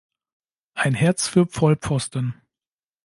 Ein Herz für Vollpfosten.